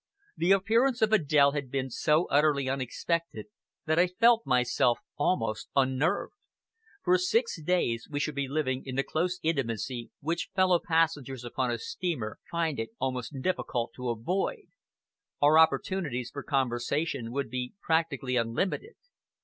The appearance of Adèle had been so utterly unexpected that I felt myself almost unnerved. For six days we should be living in the close intimacy which fellow passengers upon a steamer find it almost difficult to avoid. Our opportunities for conversation would be practically unlimited.